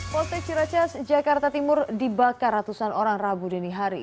polsek ciracas jakarta timur dibakar ratusan orang rabu dinihari